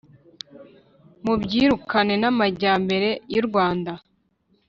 Mubyirukane n'amajyambere y'u Rwanda!